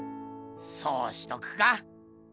そうしとくか。